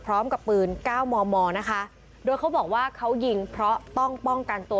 พร้อมกับปืนเก้ามอมอนะคะโดยเขาบอกว่าเขายิงเพราะต้องป้องกันตัว